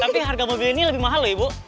tapi harga mobil ini lebih mahal loh ibu